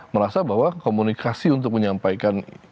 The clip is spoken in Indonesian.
merasa bahwa komunikasi untuk menyampaikan